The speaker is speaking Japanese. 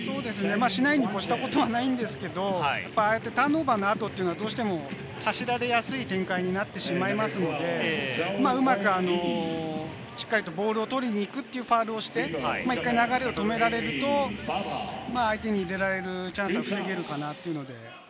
しないに越したことはないんですけれども、ターンオーバーの後はどうしても走られやすい展開になってしまいますので、うまく、しっかりとボールを取りに行くというファウルをして、１回流れを止められると相手に入れられるチャンスは防げるのかなと。